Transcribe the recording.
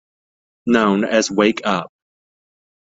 Known as Wake Up!